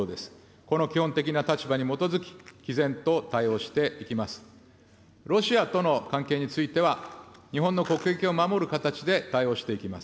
この基本的な立場に基づき、きぜんと対応していきます。